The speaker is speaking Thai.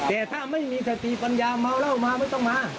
แต่ถ้าไม่มีสติปัญญาเมาเหล้ามาไม่ต้องมา